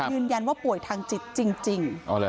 ยืนยันว่าป่วยทางจิตจริง